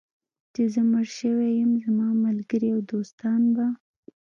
چې زه مړ شوی یم، زما ملګري او دوستان به.